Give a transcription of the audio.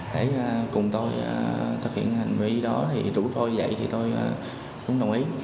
để cùng tôi thực hiện hành vi đó thì chúng tôi vậy thì tôi cũng đồng ý